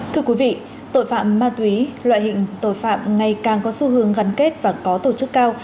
thưa quý vị tội phạm ma túy loại hình tội phạm ngày càng có xu hướng gắn kết và có tổ chức cao